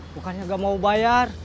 bukannya enggak mau bayar